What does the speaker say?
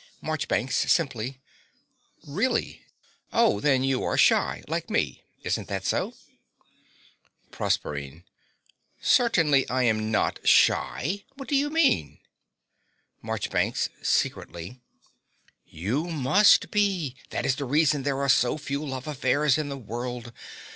MARCHBANKS (simply). Really! Oh, then you are shy, like me. Isn't that so? PROSERPINE. Certainly I am not shy. What do you mean? MARCHBANKS (secretly). You must be: that is the reason there are so few love affairs in the world.